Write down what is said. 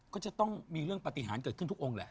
ก็จะต้องมีเรื่องปฏิหารเกิดขึ้นทุกองค์แหละ